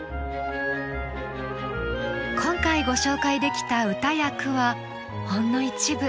今回ご紹介できた歌や句はほんの一部。